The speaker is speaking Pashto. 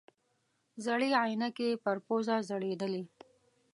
زړې عینکې یې پر پوزه ځړېدلې.